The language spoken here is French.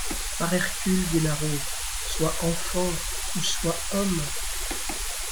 Par Hercule, Gennaro ! sois enfant ou sois homme.